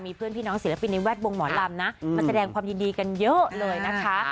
เพื่อนพี่น้องศิลปินในแวดวงหมอลำนะมาแสดงความยินดีกันเยอะเลยนะคะ